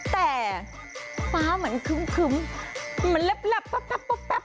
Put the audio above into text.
แต่ฟ้าเหมือนขึ้มมันลับแป๊บพ๊อปป๊าบ